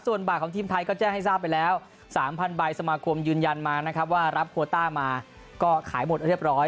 ส่วนบัตรของทีมไทยก็แจ้งให้ทราบไปแล้ว๓๐๐ใบสมาคมยืนยันมานะครับว่ารับโคต้ามาก็ขายหมดเรียบร้อย